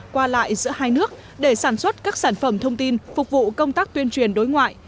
qua lại giữa hai nước để sản xuất các sản phẩm thông tin phục vụ công tác tuyên truyền đối ngoại